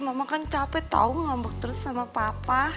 mama kan capek tau ngambek terus sama papa